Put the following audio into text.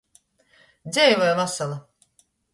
Dzeivoj vasala!